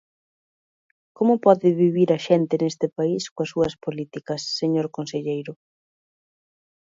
¿Como pode vivir a xente neste país coas súas políticas, señor conselleiro?